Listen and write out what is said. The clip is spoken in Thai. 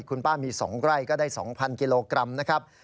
คุณป้ามี๒ไร่ก็ได้๒๐๐กิโลกรัมนะครับ